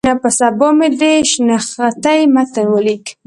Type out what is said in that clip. په سبا مې د شنختې متن ولیک.